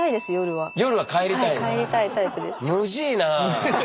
はい帰りたいタイプです。